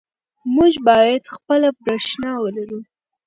موږ باید خپله برښنا ولرو.